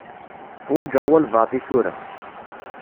Uḥwaǧeɣ walebɛaḍ i tura.